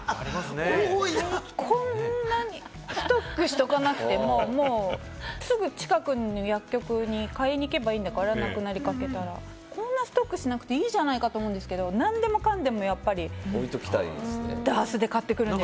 こんなにストックしておかなくても、すぐ近くの薬局に買いに行けばいいんだから、なくなりかけたら、こんなストックしなくていいんじゃないかと思うんだけれども、何でもかんでもやっぱりダースで買ってくるんです。